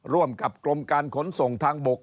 ร่วมกับกรมการขนส่งทางบก